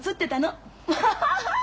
アハハハハ！